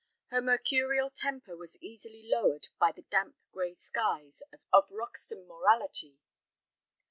Her mercurial temper was easily lowered by the damp, gray skies of Roxton morality.